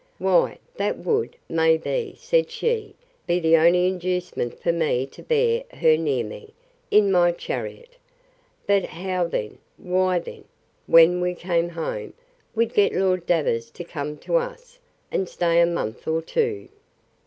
Why, that would, may be, said she, be the only inducement for me to bear her near me, in my chariot.—But, how then?—Why then, when we came home, we'd get Lord Davers to come to us, and stay a month or two.